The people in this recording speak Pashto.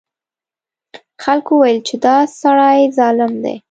خلکو وویل چې دا سړی ظالم دی.